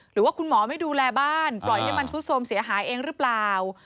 หรือว่าคุณหมอไม่ดูแลบ้านปล่อยให้มันซุดสมเสียหายเองหรือเปล่า